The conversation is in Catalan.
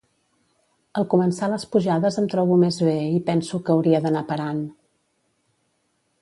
Al començar les pujades em trobo més bé i penso que hauria d'anar parant.